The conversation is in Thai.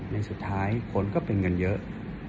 ในสุดท้ายคนก็เป็นเงินเยอะ